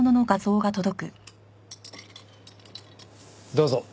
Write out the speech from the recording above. どうぞ。